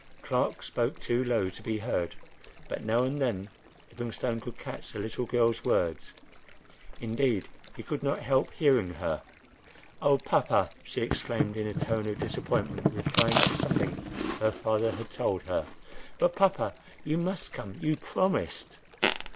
Clark spoke too low to be heard; but now and then, Livingstone could catch the little girl's words. Indeed, he could not help hearing her. "Oh! papa!" she exclaimed in a tone of disappointment, replying to something her father had told her. "But papa you must come—You promised!"